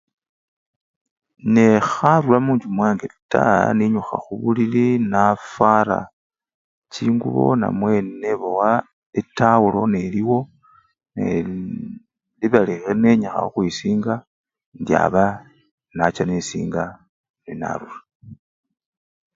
Neekharura munjju mwange taa ninyukha khubulili nafwara chingubo namwe nebowa etawulo neliwo neee-ili bali khenenyakho khukhwisinga indi aba nacha nesinga nenarura.